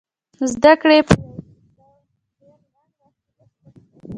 زدکړې يې په يو ډېر لنډ وخت کې بشپړې کړې وې.